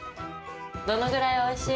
どのぐらいおいしい？